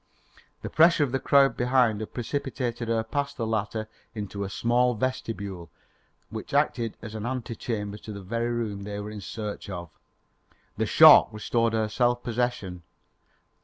The pressure of the crowd behind had precipitated her past the latter into a small vestibule which acted as an ante chamber to the very room they were in search of. The shock restored her self possession.